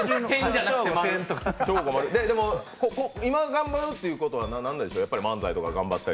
でも今、頑張るということは何でしょう、漫才とか？